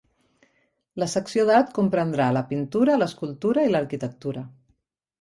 La secció d'art comprendrà la pintura, l'escultura i l'arquitectura.